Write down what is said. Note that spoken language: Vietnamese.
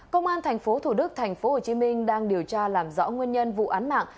công an tp thủ đức tp hcm đang điều tra làm rõ nguyên nhân vụ án mạng